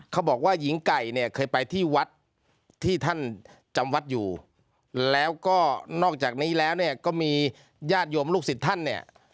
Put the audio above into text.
เขาบอกว่าหญิงไก่เนี่ยเคยไปที่วัดที่ท่านจำวัดอยู่แล้วก็นอกจากนี้แล้วเนี่ยก็มีญาติโยมลูกศิษย์ท่านเนี่ย